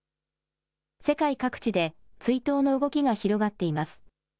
世界各地で追悼の動きが広がっています。